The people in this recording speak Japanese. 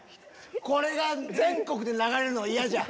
これが全国で流れるのは嫌じゃ。